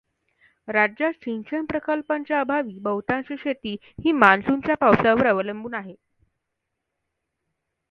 राज्यात सिंचन प्रकल्पांच्या अभावी बहुतांश शेती ही मान्सूनच्या पावसावर अवलंबून आहे.